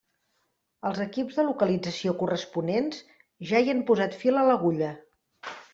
Els equips de localització corresponents ja hi han posat fil a l'agulla.